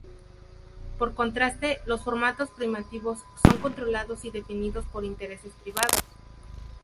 Por contraste, los formatos privativos son controlados y definidos por intereses privados.